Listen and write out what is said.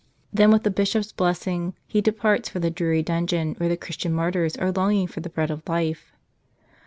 Then, with the Bishop's blessing, he departs for the dreary dun¬ geon where the Christian martyrs are longing for the Bread of Life.